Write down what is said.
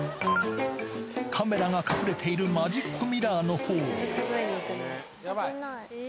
カメラが隠れているマジックミラーのほうを。